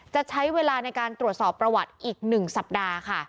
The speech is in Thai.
จะใช้เวลาในการตรวจสอบประวัติอีก๑สัปดาห์ค่ะ